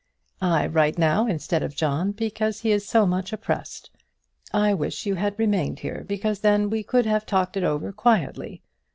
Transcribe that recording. I write now instead of John, because he is so much oppressed. I wish you had remained here, because then we could have talked it over quietly.